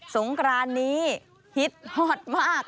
งกรานนี้ฮิตฮอตมาก